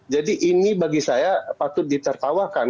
jadi ini bagi saya patut ditertawakan